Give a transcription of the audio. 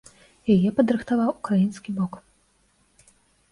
Яе падрыхтаваў украінскі бок.